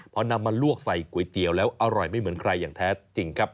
พอนำมาลวกใส่ก๋วยเตี๋ยวแล้วอร่อยไม่เหมือนใครอย่างแท้จริงครับ